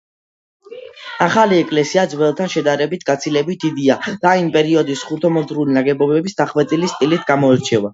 ახალი ეკლესია, ძველთან შედარებით, გაცილებით დიდია და იმ პერიოდის ხუროთმოძღვრული ნაგებობების დახვეწილი სტილით გამოირჩევა.